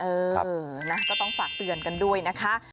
เออนะก็ต้องฝากเตือนกันด้วยนะคะ